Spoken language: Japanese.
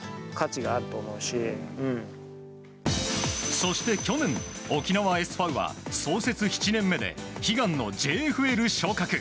そして去年、沖縄ＳＶは創設７年目で悲願のＪＦＬ昇格。